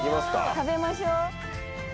食べましょう。